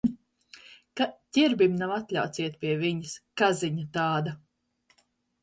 Ķirbim nav atļauts iet pie viņas. Kaziņa tāda.